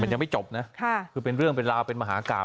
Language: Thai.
ยังไม่จบนะคือเป็นเรื่องเป็นราวเป็นมหากราบ